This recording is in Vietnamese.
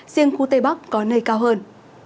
riêng khu tây bắc có nơi cao hơn